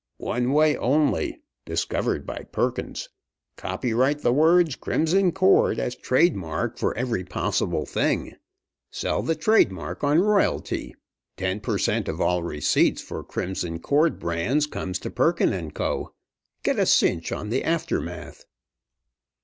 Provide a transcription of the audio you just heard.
"One way only, discovered by Perkins. Copyright the words 'Crimson Cord' as trademark for every possible thing. Sell the trade mark on royalty. Ten per cent, of all receipts for 'Crimson Cord' brands comes to Perkins & Co. Get a cinch on the Aftermath!"